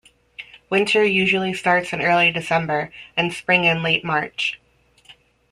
Winter usually starts in early December, and spring in late March.